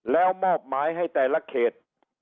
แล้วมอบหมายให้แต่ละเขต